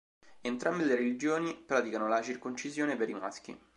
Entrambe le religioni praticano la circoncisione per i maschi.